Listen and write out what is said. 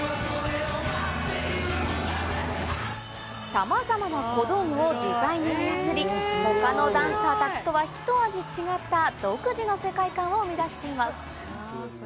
さまざまな小道具を自在に操り、他のダンサーたちとはひと味違った、独自の世界観を目指しています。